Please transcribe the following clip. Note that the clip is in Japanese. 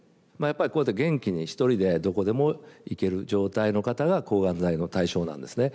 こうやって元気に一人でどこでも行ける状態の方が抗がん剤の対象なんですね。